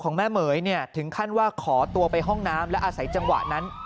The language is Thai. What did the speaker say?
แม่เหม๋ยเนี่ยถึงขั้นว่าขอตัวไปห้องน้ำและอาศัยจังหวะนั้น